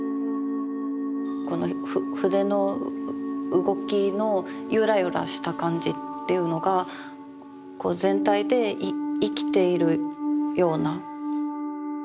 この筆の動きのゆらゆらした感じっていうのがこう全体で生きているような。